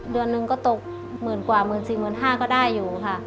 เดือนหนึ่งก็ตกหมื่นกว่าหมื่นสี่หมื่นห้าก็ได้อยู่ค่ะ